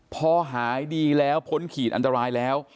พอหายดีแล้วพ้นขีดอันตรายแล้ว